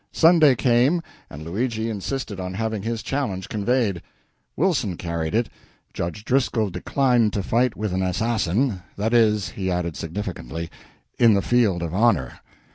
Sunday came, and Luigi insisted on having his challenge conveyed. Wilson carried it. Judge Driscoll declined to fight with an assassin "that is," he added significantly, "in the field of honor."